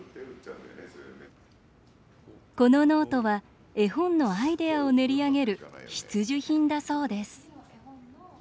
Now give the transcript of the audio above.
このノートは絵本のアイデアを練り上げる必需品だそうです